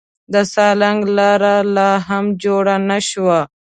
د سالنګ لار لا هم جوړه نه شوه.